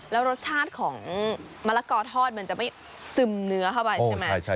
แล้วรสชาติของมะละกอทอดมันจะไม่ซึมเนื้อเข้าไปใช่ไหม